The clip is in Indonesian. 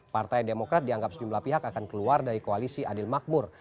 partai demokrat dianggap sejumlah pihak akan keluar dari koalisi adil makmur